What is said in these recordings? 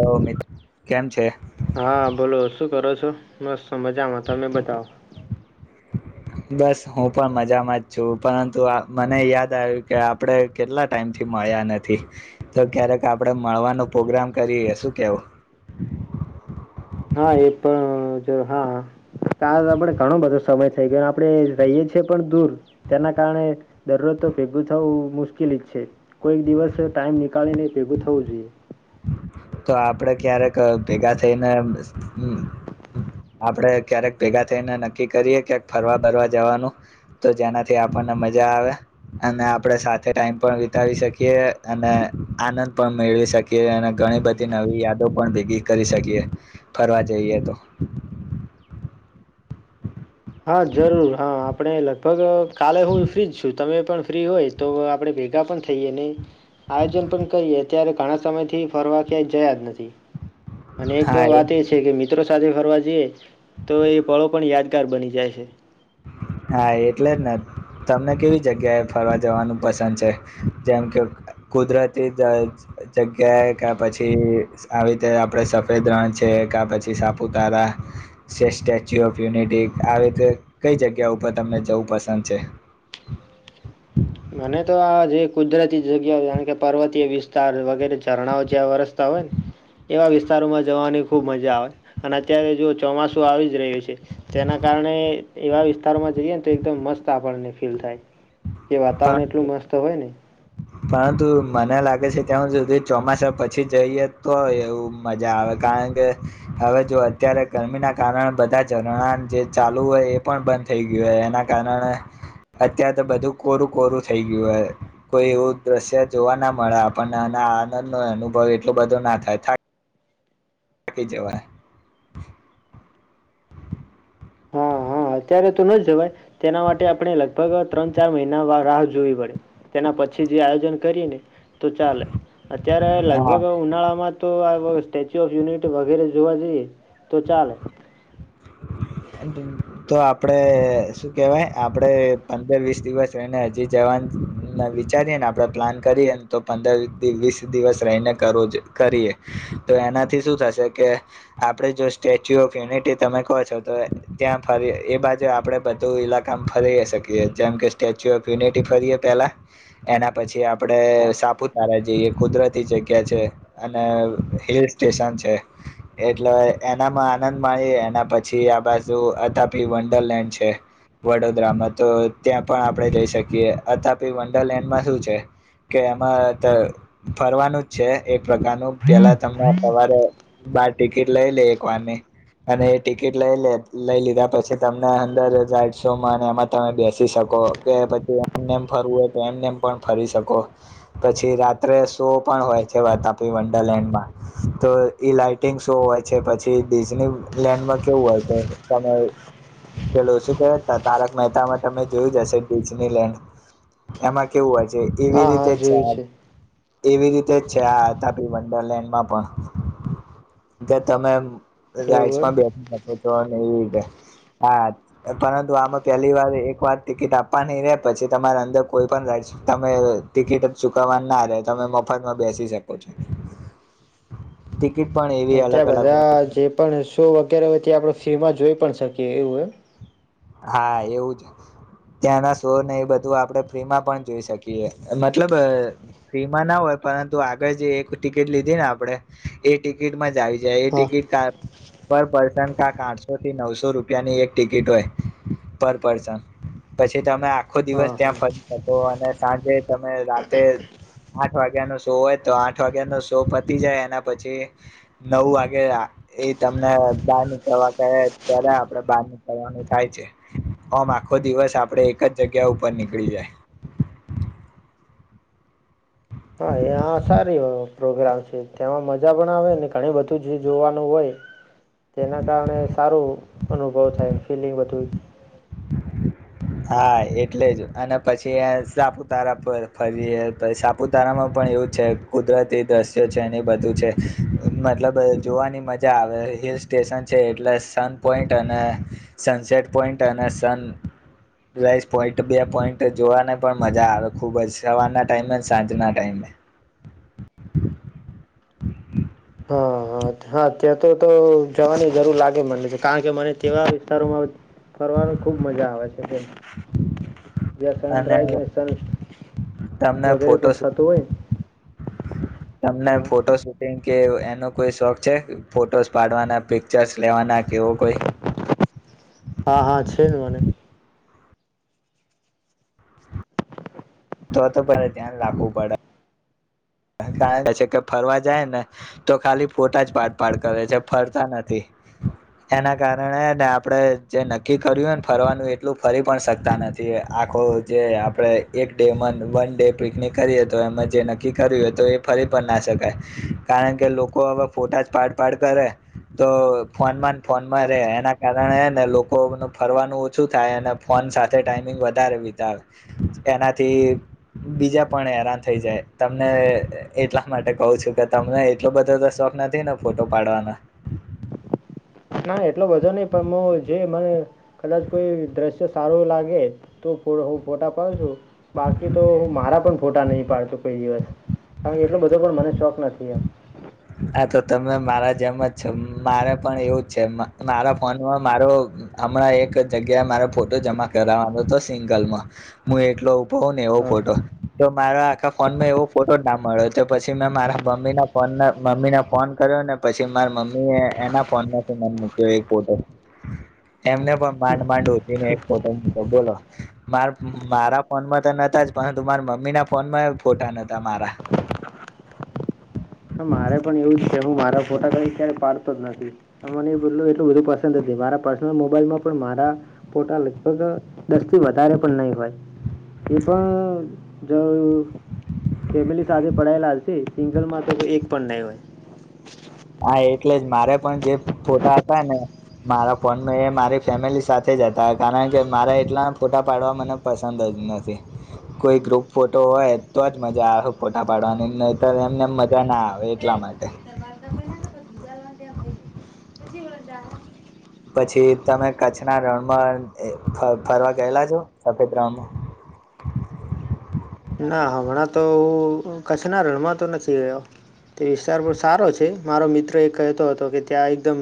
Hello મિત્ર કેમ છે હા બોલો શું કરો છો? મસ્ત. મજામાં તમે બતાવો? બસ હું પણ મજામાં જ છું પરંતુઆ મને યાદ આવ્યું કે આપડે કેટલા ટાઈમ થી મળ્યા નથી, તો ક્યારેક આપડે મળવાનો પ્રોગ્રામ કરીએ શું કેવું? હા એ પણ જો હા કાલ આપડે ઘણો બધો સમય થઈ ગયો આપડે રહીએ છીએ પણ દૂર, તેના કારણે દરરોજ તો ભેગું થવું મુશ્કેલી જ છે, કોઈક દિવસ ટાઈમ નીકળીને ભેગું થવું જોઈએ. તો આપડે ક્યારેક ભેગા થઈને આપડે ક્યારેક ભેગા થઈને નક્કી કરીયે કયાક ફરવા બરવા જવાનું, તો જેનાથી આપણને મજા આવે, અને આપડે સાથે ટાઈમ પણ વિતાવી શકીએ અને આનંદ પણ મેળવી શકીએ. કીએ અને ઘણી બધી નવી યાદો પણ ભેગી કરી શકીએ, ફરવા જઈએ તો. હા જરૂર હા આપ આપણે લગભગ કાલે હું ફ્રીજ છું તમે પણ ફ્રી હોય તો આપડે ભેગા પણ થઈએ ને, આયોજન પણ કરીએ ત્યારે ઘણા સમય થી ફરવા ક્યાંય જયા જ નથી. અને એક વાત એ છે કે મિત્રો સાથે ફરવા જઈએ, તો એ પળો પણ યાદગાર બની જાય છે. હા એટલે જ ને તમને કેવી જગ્યાએ ફરવા જવાનું પસંદ છે, જેમ કે કુદરતી જઅ જગ્યાએ કા પછી આવી રીતે આપડે સફેદ રણ છે કા પછી સાપુતારા, સે સ્ટેચ્યુ ઓફ યુનિટી આવી રીતે કઈ જગ્યા ઉપર તમને જવું પસંદ છે. મને તો આ જે કુદરતી જગ્યાઓ જાણ કે પર્વતીય વિસ્તાર વગેરે ઝરણાઓ જ્યાં વરસતા હોય ને, એવા વિસ્તારોમાં જવાની ખુબ મજા આવે, અને અત્યારે જો ચોમાસું આવી જ રહ્યું છે તેના કારણે એવા વિસ્તારોમાં જઈએ ને તો એકદમ મસ્ત આપણને ફીલ થાય. કે વાતાવરણ એટલું પરંતુ મસ્ત હોય ને. પરંતુ મને લાગે છે ત હું સુધી ચોમાસા પછી જઈએ તો એવું મજા આવે કારણ કે, હવે જો અત્યારે ગરમીના કારણે બધા ઝરણા જે ચાલુ હોય એ પણ બંધ થઈ ગયું હોય એના કારણે અત્યારે તો બધું કોરું કોરું થઈ ગયું હો કોઈ એવું દ્રશ્ય જોવા ના મળે પણ એના આનંદ નો અનુભવ એટલો બધો ના થાય થ કી જવા. હા હા અત્યારે તો ન જવાય, તેના માટે આપણે લગભગ ત્રણ ચાર મહિના રાહ જોવી પડે, તેના પછી જે આયોજન કરીએ ને તો ચાલે, અત્યારે હા લગભગ ઉનાળામાં તો આ સ્ટેચ્યુ ઓફ યુનિટી વગેરે જોવા જઈએ તો ચાલે. તો આપડે શું કેવાય આપડે પંદર વીસ દિવસ રહીને હજી જવાનું વિચારીએને આપડે પ્લાન કરીએને તો પંદર વીસ દિવસ રહીને કર કરીએે, તો એનાથી શું થશે કે આપડે જો સ્ટેચ્યુ ઓફ યુનિટી તમે કહો છો તો ત્યાં ફરી એ બાજુ આપડે બધું ઈલાકા ફરી શકીએ જેમ કે સ્ટેચ્યુ ઓફ યુનિટી ફરીએે પેલા, એના પછી આપડે હા સાપુતારા જે કુદરતી જગ્યા છે અને હિલ સ્ટેશન છે, એટલે એનામાં આનંદ મળી પછી આ બાજુ અથાપી વંડરલેન્ડ છે, વડોદરામાં તો ત્યાં પણ આપડે જઈ શકીયએ અથાપી વંડરલેન્ડમાં શું છે કે એમાં ફરવાનું જ છે એક પ્રકારનું પેલા તમે સવારે બાર ટિકિટ લઈ લે એક વાર ની, અને ટિકિટ લઈ લઈ લીધા પછી તમને અંદર લઇટ શોમાં એમાં તમે બેસી શકો કે પછી એમનેમ ફરવું હોય તો એમનેમ પણ ફરી શકો, પછી રાત્રે શો પણ હોય છે વાત આપી વંડરલેન્ડમાં, તો ઈ લઇટિંગ શો હોય છે પછી ડીઝની લેન્ડર્ક કેવું હોય તો તમે પેલો શું કે તારક મહેતામાં તમે જોયું જશે ડિજનીલેન્ડ, એમાં કેવું હોય એવી હા હા રીતે છે. જોયું એવી રીતે જ છે આ ત તપી વંડરલેન્ડમાં પણ, તમે એવું ગાઈડ બે તો ન એ હા, પરંતુ આમાં પેલી વાર એક વાર ટિકિટ આપવા નઈ રે પછી તમારે અંદર કોઈ પણ તમે ટિકિટ જ ચુકવવા ના રહે તમે મફતમાં બેસી શકો છો. પણ એવી અલગ ત્યાં અલગ બધા હોય છે જે પણ શો વગેરે હોય ત્યા આપણે ફ્રીમાં જોઈ પણ શકીએ એવું એમ. હા એવું જ, ત્યાંના શો ને એ બધું આપણે ફ્રીમાં પણ જોઈ શકીએ મતલબ ફ્રીમાં ના હોય પરંતુ આગળ જે એક ટિકિટ લીધી ને આપણે, એ ટિકિટમાં જ આવી જે એ હા ટિકિટ પર પર્સન કાક આઠસોથી નવસો રૂપિયાની એક ટિકિટ હોય. પર પર્સન પછી તમે આખો દિવસ હા ત્યાં હા ફરી શકો અને સાંજે તમે રાતે આઠ વાગ્યાનો શો હોય તો આઠ વાગ્યાનો શો પતી જાય એના પછી નવ વાગે એ તમને બાર નીકળવા કે ત્યારે આપડે બહાર નીકળવાનું થાય છે આમ આખો દિવસ આપડે એક જ જગ્યા ઉપર નીકળી જાય. હા સારું પ્રોગ્રામ છે તેમાં મજા પણ આવેને ઘણી બધું જે જોવાનું હોય તેના કારણે સારું અનુભવ થાય ફિલિંગ બધું હા એટલે જ અને પછી સાપુતારા પર ફરીએ સાપુતારામાં પણ એવું છે કુદરતી દ્રશ્યો છે એને બધું છે મતલબ જોવાની મજા આવે હિલ સ્ટેશન છે એટલે સન પોઈન્ટ અને સનસેટ પોઈન્ટ અને સન પ્લસ પોઈન્ટ બે પોઈન્ટ જોવાને પણ મજા આવે ખુબ જ સવારના ટાઈમે સાંજના ટાઈમે હા હા હા ત્યાં તો તો જવાની જરૂર લાગે મને કારણ કે મને તેવા વિસ્તારોમાં ફરવાની ખુબ મજા આવે છે. જ્યાં સનરાઈઝ અને સન તમને વગેરે ફોટો પણ થતું હોયને તમને હા ફોટો શૂટિંગ કે એનો કોઈ શોખ છે ફોટોસ પાડવાના પિક્ચર્સ લેવાના કેવો કોઈ હા હા છે ને મને તો તો પરે ધ્યાન રાખવું પડે કે ફરવા જાય ને તો ખાલી ફોટા જ પાડ પાડ કરે છે ફરતા નથી એના કારણેને આપડે જે નક્કી કર્યુંને ફરવાનું એટલું ફરી પણ શકતા નથી આખો જે આપડે એક ડે વન ડે પિકનિક કરીએ તો એમાં જે નક્કી કર્યું હોય તો એ ફરી પણ ના શકાય કારણ કે લોકો હવે ફોટા જ પાડ પાડ કરે તો ફોનમાં ફોનમાં હા રે એના કારણે કારણ એ ને લોકોનું ફરવાનું ઓછું થાય અને ફોન સાથે ટાઈમિંગ વધારે વિતાવે એનાથી બીજા પણ હેરાન થઈ જાય તમને એટલા માટે કહું છું કે તમને એટલો બધો તો શોખ નથી ને ફોટો પાડવાનો ના એટલો બધો નહીિ પણ જે મને કદાચ કોઈ દ્રશ્ય સારું લાગે તો હું ફોટા પાડુ છું બાકી તો હું મારા પણ ફોટા નહી પાડતો કોઈ દિવસ કારણ કે એટલો બધો પણ મને શોખ નથી એમ હા તો તમે મારા જેમ જ મારે પણ એવું જ છે મારા ફોનમાં મારો હમણાં એક જગ્યાએ મારે ફોટો જમા કરાવવાનો હતો સિંગલમાં હું એટલો પો ને એવો હા ફોટો તો મારા આખા ફોનમાં એવો ફોટો ના મળ્યો તો પછી મેં મારા મમ્મી ના ફોનને મમ્મી ને ફોન કર્યો ને પછી મારા મમ્મી એના ફોનમાંથીને મૂક્યો એક ફોટો એમને પણ માંડ માંડ ઉધી ને એક ફોટો મૂક્યો બોલો મા મારા ફોનમાં તો નતા જ પરંતુ મારા મમ્મી ના ફોનમાં ફોટા નતા મારા હ મારે પણ એવું કે હું મારા ફોટા કંઈ ક્યારેય પાડતો જ નથી મને એ બલું એટલું બધું પસંદ નથી મારા પર્સનલ મોબાઈલમાં પણ મારા ફોટા લગભગ દસથી વધારે પણ નહીં હોય એ પણ જો ફેમિલી સાથે પડાયેલા છે સિંગલમા તો એક પણ નહીં હોય. હા એટલે જ મારે પણ જે ફોટા હતા ને મારા ફોન એ મારી ફેમિલી સાથે જ હતા કારણ કે મારા એટલા ફોટા પાડવા મને પસંદ જ નથી કોઈ ગ્રુપ ફોટો હોય તો જ મજા આવે ફોટા પાડવાની નહિતોર એમને મજા ના આવે એટલા માટે [inaudible] [unintelligible] પછી તમે કચ્છના રણમાં ફરવા ગયેલા છો સફેદ રણમાં ના હમણાં તો કચ્છના રણમાં તો નથી રહ્યો તે વિસ્તાર પણ સારો છે મારો મિત્ર એ કહેતો હતો કે ત્યાં એકદમ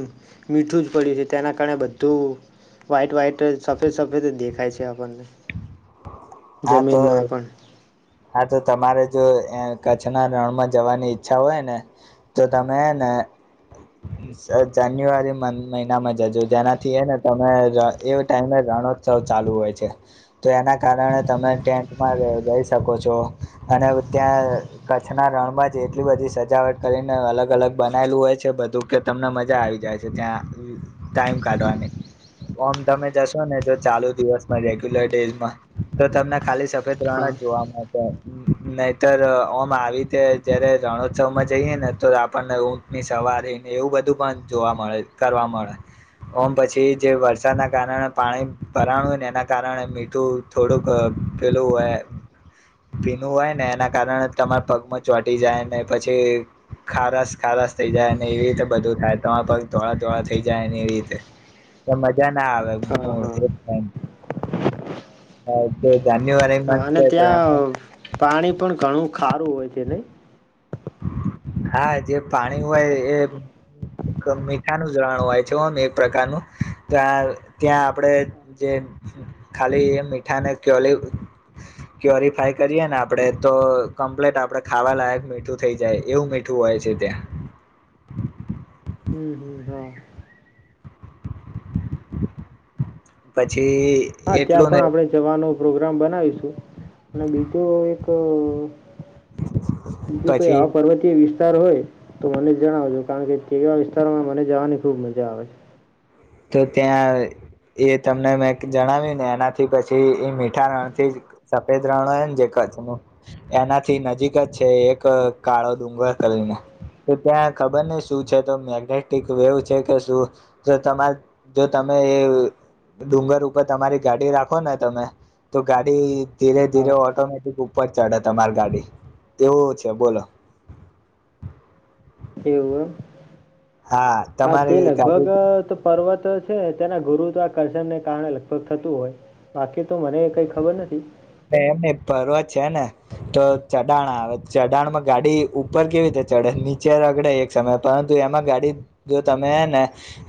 મીઠું જ પડ્યું છે તેના કારણે બધું વાઈટ વાઈટ સફેદ સફેદ દેખાય છે આપણને હા જમીનમાં તો પણ હા તો તમારે જો કચ્છના રણમાં જવાની ઈચ્છા હોય ને તો તમે હેને જાન્યુઆરી મહિનામાં જજો જેનાથી એ ને તમે એ ટાઈમે રણોત્સવ ચાલુ હોય છે તો એના કારણે તમે ટેન્ટમાં જઈ શકો છો અને ત્યાં કચ્છના રણમાં જ એટલી બધી સજાવટ કરીને અલગ અલગ બનાયલું હોય છે બધું કે તમને મજા આવી જાય છે ત્યાં ટાઈમ કાઢવાની ઓમ તમે જશો ને જો ચાલુ દિવસમાં રેગ્યુલર ડેઝમાં તો તમને ખાલી સફેદ રણ હા જ જોવા મળે નહીતર ઓમ આવી રીતે જયારે રણોત્સવમાં જઈએ ને તો આપણને ઊંટની સવારીને એવું બધું પણ જોવા મળે કરવા મળે ઓમ પછી જે વરસાદના કારણે પાણી ભરાણું હોય ને એના કારણે મીઠું થોડુંક પીલું હોય ભીનું હોય ને એના કારણે તમારા પગમાં ચોટી જાય ને પછી ખારસ ખારસ થઈ જાય એવી રીતે બધું થાય તમાર પગ ધોળા ધોળા થઈ જાય ને એવી રીતે મજા ના આવે હા મળ એક હા ટ હ જાન્યવારી અને ત્યાં પાણી પણ ઘણું ખારું હોય છે ને હા જે પાણી હોય એ મીઠાનું રણ હોય છે હો ને એક પ્રકારનું ત્યા ત્યાં આપડે જે ખાલી મીઠાને કયો ક્યોરિફાય કરીએ ને આપડે તો કમ્પ્લીટ આપણેે ખાવા લાયક મીઠું થઈ જાય એવું મીઠું હોય છે ત્યાં. હમ હમ હા પછી હા ત્યાં એટલું પણ ને આપણેે જવાનું પ્રોગ્રામ બનાવીશું અને બીજું એક બીજું કઈ પછી આ પર્વતીય વિસ્ તાર હોય તો મને જ જણાવજો કારણ કે કેવા વિસ્તારોમાં મને જવાની ખુબ મજા આવે છે. તો ત્યાં એ તમને મેં જણાવ્યું ને એનાથી પછી એ મીઠા રણથી સફેદ રણ હોય ને જે કચ્છનું એનાથી નજીક જ છે એક કાળો ડુંગર કરીને. તો ત્યાં ખબર નહ શું છે તો મેગ્નેટિક વેવ છે કે શું તો તમારે જો તમે એ ડુંગર ઉપર તમારી ગાડી રાખો ને તમે તો ગાડી ધીરે ધીરે હા ઓટોમેટિક ઉપ પર ચડે તમારી ગાડી એવું છે બોલો. એવું એમ. હા તે તમારી ગાડી લગભગ તો પર્વત છે તેના ગુરુત્વાકર્ષણને કારણે લગભગ થતું હોય બાકી તો મને કઈ ખબર નથી. એમને પર્વત છે ને તો ચડાણ આવે ચડાણમાં ગાડી ઉપર કેવી રીતે ચડે નીચે રગડે એક સમય પરંતુ એમાં ગાડી જો તમે એને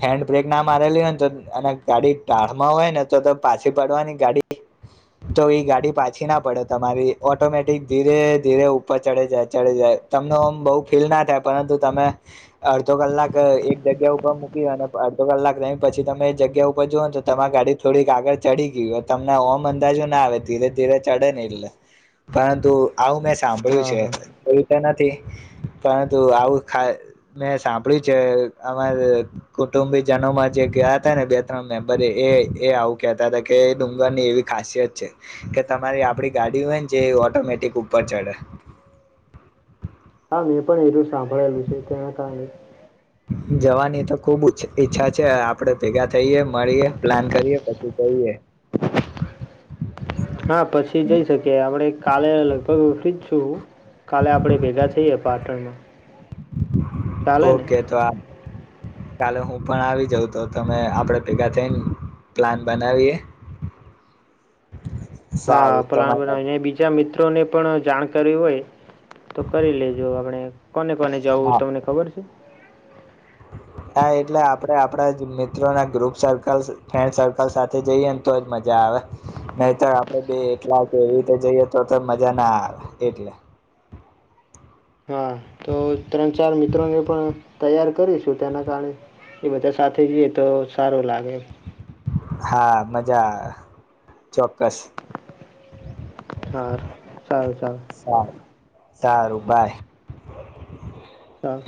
હેન્ડ બ્રેક ના મારેલી હોય ને તો અને ગાડી ટાળમાં હોય ને તો પાછી પડવાની ગાડી તો એ ગાડી પાછી ના પડે તમારી ઓટોમેટિક ધીરે ધીરે ઉપર ચડે જાય ચડ જાય તમને હોમ બહુ ફીલ ના થાય પરંતુ તમે અડધો કલાક એક જગ્યા ઉપર મૂકી અને અડધો કલાક ત પછી તમે એ જગ્યા ઉપર જુઓ ને તો તમારી ગાડી થોડીક આગળ ચડી ગય હો તમને ઓમ અંદાજો ના આવે ધીરે ધીરે ચાડે ને એટલે. પરંતુ આવું મેં સાંભળ્યું હા છે હા એવુ તો નથી પરંતુ આવું મેં સાંભળ્યું છે અમારે કુટુંબીજનોમાં જે ગયા હતા ને બે ત્રણ મેમ્બરે એ એ આવું કેતા હતા કે ડુંગર ની એવી ખાસિયત છે કે તમારી આપડી ગાડી હોય ને જે ઓટોમેટિક ઉપર ચડે. હા મેં પણ એલું સાંભળેલું છે તેના કારણે. જવાની તો ખુબ ઈછ ઈચ્છા છે. આપડે ભેગા થઈએ મળીએ પ્લાન કરીએ પછી જઈએ. હા પછી જઈ શકીએ. આપડે કાલે લગભગ ફ્રી જ છું. કાલે આપડે ભેગા થઈએ પાટણમાં. ચાલે ને ઓકે તો આ કાલે હું પણ આવી જાઉં તો તમે આપડે ભેગા થઈને પ્લાન બનાવીએ. હા સારું પલાન તમારા બનાવીને બીજા મિત મિત્રોને પણ જાણકારી હોય તો કરી લેજો આપણે. કોને કોને જવું હા તમને ખબર છે? હા એટલે આપડે આપડા જ મિત્રોના ગ્રુપ સર્કલ ફ્રેન્ડ સર્કલ સાથે જઈએ ને તો જ મજા આવે. નહીતર આપડે બે એલા કે એવી રીતે જઈએ તો મજા ના આવે એટલે. હા તો ત્રણ ચાર મિત્રોને પણ તૈયાર કરીશું. તેના કારણે એ બધા સાથે જઈએ તો સારો લાગે. હા મજા. ચોક્કસ. હા સારું સારું સાર. સારુંબાય. હા.